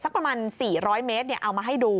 ศักดิ์ประมาณ๔๐๐เมตรเอามาให้ดู